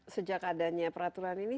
sejak adanya peraturan ini